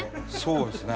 そうですね。